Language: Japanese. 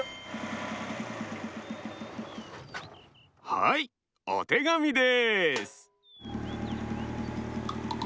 はいおてがみです！